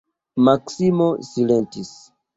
Maksimo silentis.